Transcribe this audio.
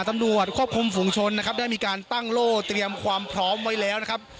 ตำรวจควบคุมฝุงชนนะครับได้มีการตั้งโล่เตรียมความพร้อมไว้แล้วนะครับ